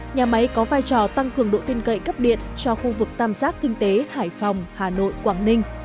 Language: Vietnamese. nhà máy có vai trò tăng cường độ tiên cậy cấp điện cho khu vực tam sát kinh tế hải phòng hà nội quảng ninh